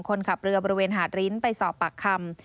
คนขับเรือบริเวณหาดริ้นไปสอบปากคำ